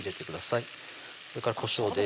それからこしょうです